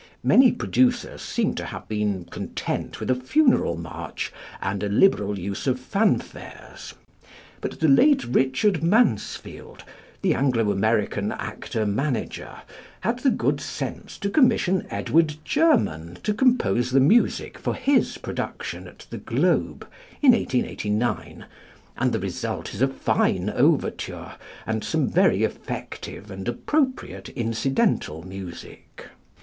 Many producers seem to have been content with a funeral march and a liberal use of fanfares; but the late Richard Mansfield, the Anglo American actor manager, had the good sense to commission +Edward German+ to compose the music for his production at the Globe in 1889, and the result is a fine overture and some very effective and appropriate incidental music.